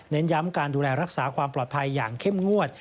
ย้ำการดูแลรักษาความปลอดภัยอย่างเข้มงวด